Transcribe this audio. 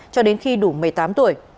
cho đến khi đủ một mươi tám tuổi